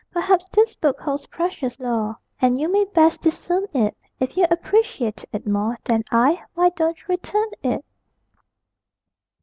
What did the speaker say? Perhaps this book holds precious lore, And you may best discern it. If you appreciate it more Than I why don't return it!